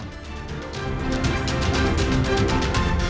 terima kasih mas dhani